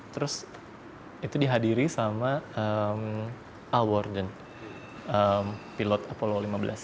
terus itu dihadiri sama al worden pilot apollo lima belas